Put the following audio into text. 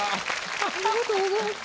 ありがとうございます。